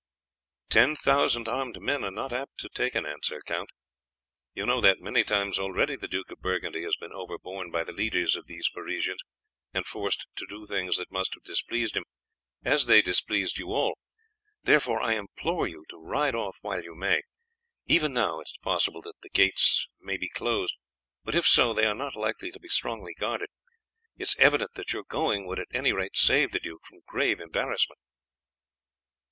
"Ten thousand armed men are not apt to take an answer, Count. You know that many times already the Duke of Burgundy has been overborne by the leaders of these Parisians and forced to do things that must have displeased him, as they displeased you all, therefore I implore you to ride off while you may. Even now it is possible that the gales may be closed, but if so, they are not likely to be strongly guarded. It is evident that your going would at any rate save the duke from grave embarrassment."